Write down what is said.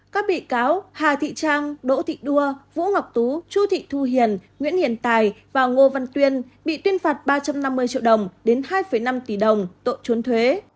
các bị cáo hà thị trang đỗ thị đua vũ ngọc tú chu thị thu hiền nguyễn hiền tài và ngô văn tuyên bị tuyên phạt ba trăm năm mươi triệu đồng đến hai năm tỷ đồng tội trốn thuế